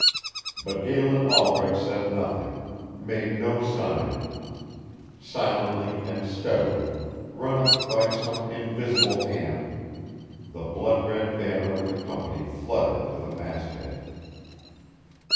But Galen Albret said nothing, made no sign. Silently and steadily, run up by some invisible hand, the blood red banner of the Company fluttered to the mast head.